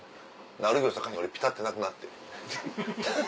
ある日を境に俺ピタってなくなってん。